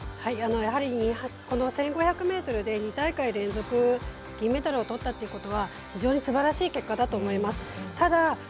やはり、この１５００ｍで２大会連続銀メダルを取ったということは非常にすばらしいことだと思います。